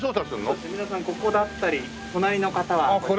皆さんここだったり隣の方はここだったり。